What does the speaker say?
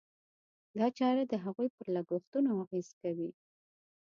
دا چاره د هغوی پر لګښتونو اغېز کوي.